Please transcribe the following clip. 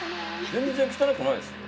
全然汚くないですよ。